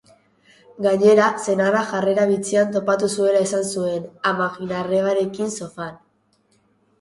Gainera, senarra jarrera bitxian topatu zuela esan zuen, amaginarrebarekin sofan.